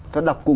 tôi đọc cùng